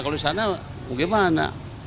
kalau di sana bagaimana